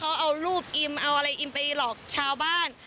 เอาอะไรอิมไปหลอกชาวบ้าน